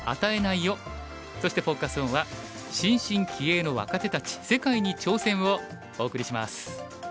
そしてフォーカス・オンは「新進気鋭の若手たち世界に挑戦！」をお送りします。